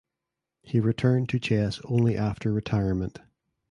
He returned to chess only after retirement.